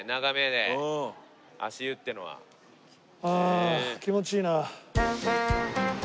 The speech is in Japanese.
はあ気持ちいいな。